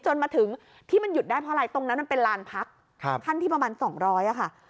จนมาถึงที่มันหยุดได้เพราะอะไรตรงนั้นมันเป็นลานพักขั้นที่ประมาณ๒๐๐ค่ะ